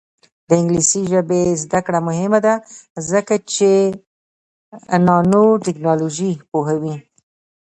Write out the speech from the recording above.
د انګلیسي ژبې زده کړه مهمه ده ځکه چې نانوټیکنالوژي پوهوي.